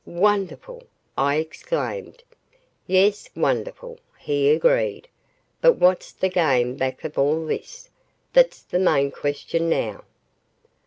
"Wonderful!" I exclaimed. "Yes wonderful," he agreed, "but what's the game back of all this that's the main question now."